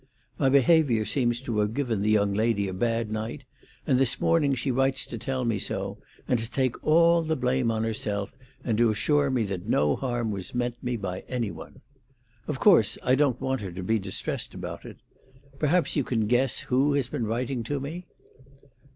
My behaviour seems to have given the young lady a bad night, and this morning she writes to tell me so, and to take all the blame on herself, and to assure me that no harm was meant me by any one. Of course I don't want her to be distressed about it. Perhaps you can guess who has been writing to me."